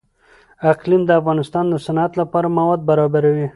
اقلیم د افغانستان د صنعت لپاره مواد برابروي.